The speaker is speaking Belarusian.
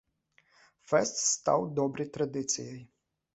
Фэст стаў добрай традыцыяй.